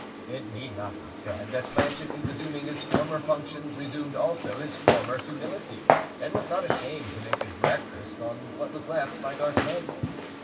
It need not be said that Planchet in resuming his former functions resumed also his former humility and was not ashamed to make his breakfast on what was left by D'Artagnan.